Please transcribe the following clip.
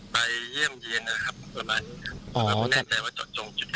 ไปเยี่ยมเย็นนะครับ